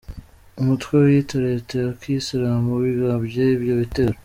Umutwe wiyita leta ya Kiyisilamu wigambye ibyo bitero.